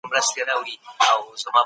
ایسټروجن د ښځو په بدن کې مهم هورمون دی.